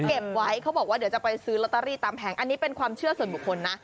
เก็บไว้เขาบอกว่าเดี๋ยวจะไปซื้อลอตเตอรี่ตามแผงอันนี้เป็นความเชื่อส่วนบุคคลนะ